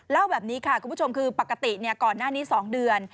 เล่าแบบนี้ค่ะคุณผู้ชมคือปกติก่อนหน้านี้๒เดือน